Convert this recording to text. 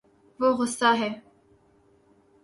وہ گصاہ ہے